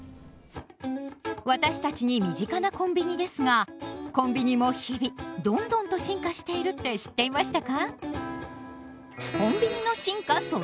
私たちに身近なコンビニですがコンビニも日々どんどんと進化しているって知っていましたか？